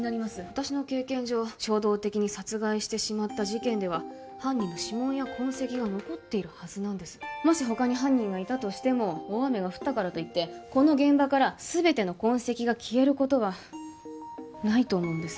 私の経験上衝動的に殺害してしまった事件では犯人の指紋や痕跡が残っているはずなんですもし他に犯人がいたとしても大雨が降ったからといってこの現場から全ての痕跡が消えることはないと思うんです